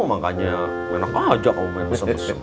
makanya enak aja kamu main sebesar besar